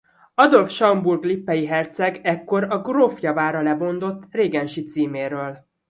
Adolf schaumburg–lippei herceg ekkor a gróf javára lemondott régensi címéről.